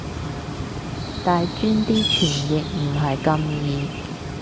大專啲傳譯唔係咁易